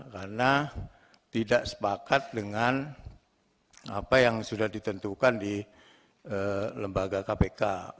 karena tidak sepakat dengan apa yang sudah ditentukan di lembaga kpk